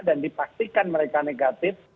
dan dipastikan mereka negatif